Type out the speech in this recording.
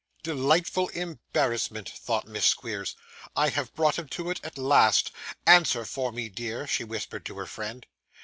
'Delightful embarrassment,' thought Miss Squeers, 'I have brought him to it, at last. Answer for me, dear,' she whispered to her friend.